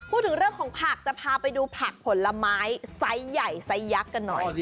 พูดถึงเรื่องของผักจะพาไปดูผักผลไม้ไซส์ใหญ่ไซสยักษ์กันหน่อย